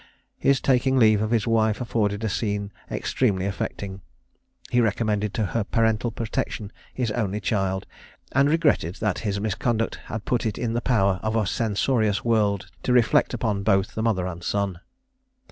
His taking leave of his wife afforded a scene extremely affecting: he recommended to her parental protection his only child, and regretted that his misconduct had put it in the power of a censorious world to reflect upon both the mother and son.